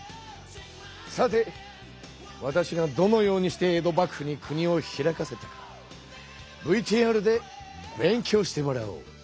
さてわたしがどのようにして江戸幕府に国を開かせたかＶＴＲで勉強してもらおう。